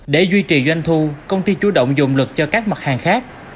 để duy trì doanh thu công ty chủ động dùng lực cho các mặt hàng khác